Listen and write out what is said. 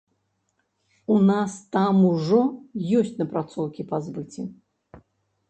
У нас там ўжо ёсць напрацоўкі па збыце.